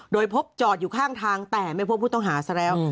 โดยพบจอดอยู่ข้างทางแต่ไม่พบผู้ต้องหาซะแล้ว